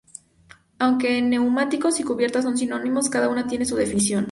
Aunque neumáticos y cubiertas son sinónimos, cada una tiene su definición.